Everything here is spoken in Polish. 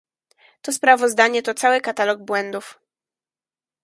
To sprawozdanie to cały katalog błędów